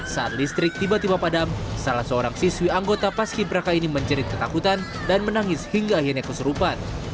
saat listrik tiba tiba padam salah seorang siswi anggota paski beraka ini menjerit ketakutan dan menangis hingga akhirnya kesurupan